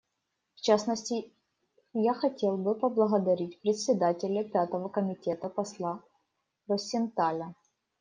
В частности, я хотел бы поблагодарить Председателя Пятого комитета посла Росенталя.